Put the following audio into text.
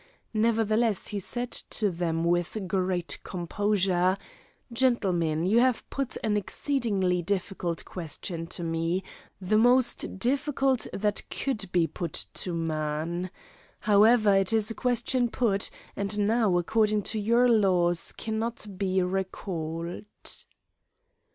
Nevertheless he said to them with great composure: "Gentlemen, you have put an exceedingly difficult question to me, the most difficult that could be put to man. However, it is a question put, and now, according to your laws, cannot be recalled."